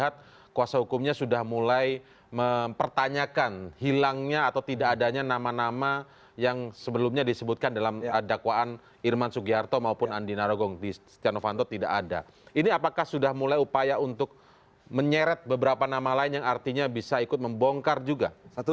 akan membuktikan untuk peristiwa peristiwa